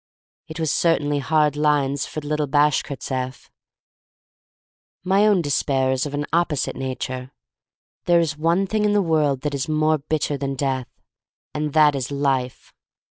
It was cer tainly hard lines for the little Bashkirt seff. My own despair is of an opposite nature. There is one thing in the world that is more bitter than death — and that is life.